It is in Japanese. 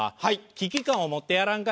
危機感を持ってやらんか